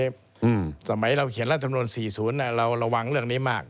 สมัยเราเขียนรัฐมนุนสี่ศูนย์เราระวังเรื่องนี้มาก